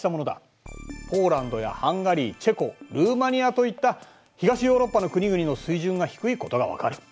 ポーランドやハンガリーチェコルーマニアといった東ヨーロッパの国々の水準が低いことが分かる。